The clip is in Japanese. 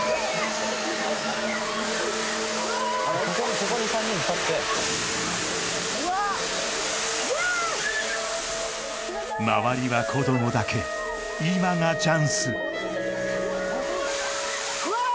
そこに３人で立ってうわーひゃー周りは子供だけ今がチャンスうわー！